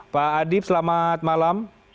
pak adip selamat malam